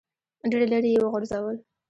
ډېر لیرې یې وغورځول.